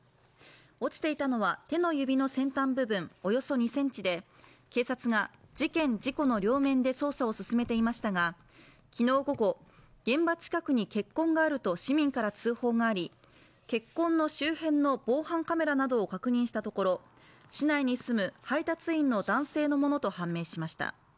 落ちていたのは手の指の先端部分およそ２ｃｍで、警察が事件・事故の両面で捜査を進めていましたが昨日午後、現場近くに血痕があると市民から通報があり血痕の周辺の防犯カメラなどを確認したところ市内に住む配達員の男性のものと判明しました。